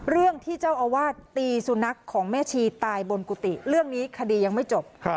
เรื่องที่เจ้าอาวาสตีสุนัขของแม่ชีตายบนกุฏิเรื่องนี้คดียังไม่จบ